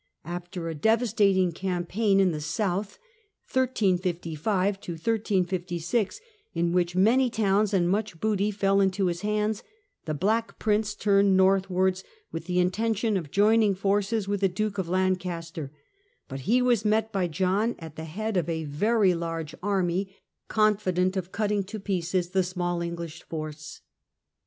After a devastating campaign in the South, in which many towns and much booty fell into his hands, the Black Prince turned northwards, with the intention of joining forces with the Duke of Lancaster, but he was met by Jolm at the head of a very large army, 140 THE END OF THE MIDDLE AGE confident of cutting to pieces the small English force.